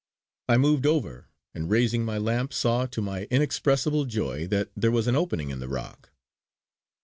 I moved over and raising my lamp saw to my inexpressible joy that there was an opening in the rock.